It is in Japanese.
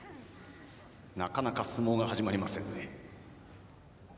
なかなか相撲が始まりませんね。